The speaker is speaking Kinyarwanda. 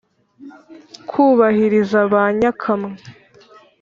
kubahiriza ba nyakamwe: